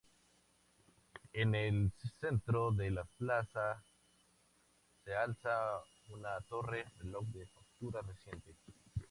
En el centro de la plaza se alza una torre-reloj de factura reciente.